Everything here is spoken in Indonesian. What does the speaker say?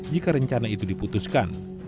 jika rencana itu diputuskan